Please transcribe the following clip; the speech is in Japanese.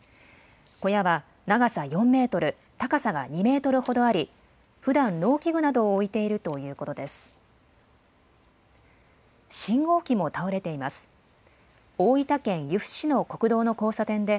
小屋は長さ４メートル、高さが２メートルほどあり、ふだん、農機具などを置いているということで